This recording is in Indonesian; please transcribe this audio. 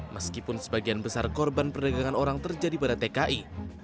meskipun sebagian besar korban perdagangan orang terjadi pada tki